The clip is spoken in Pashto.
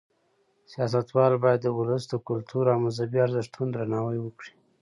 سیاستوال باید د ولس د کلتور او مذهبي ارزښتونو درناوی وکړي.